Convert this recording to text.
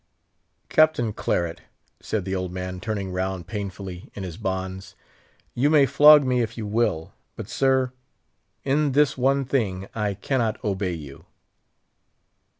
"Captain Claret," said the old man, turning round painfully in his bonds, "you may flog me if you will; but, sir, in this one thing I cannot obey you."